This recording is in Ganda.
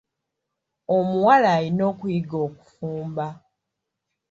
Omuwala alina okuyiga okufumba.